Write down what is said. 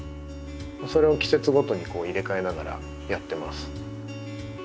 それを季節ごとに入れ替えながらやってます。